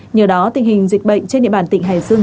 nhờ đó tình hình dịch bệnh trên địa bàn tỉnh hải dương